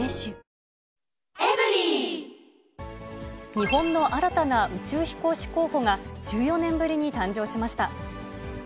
日本の新たな宇宙飛行士候補が、１４年ぶりに誕生しました。